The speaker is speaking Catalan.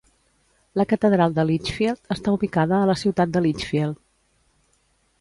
La catedral de Lichfield està ubicada a la ciutat de Lichfield.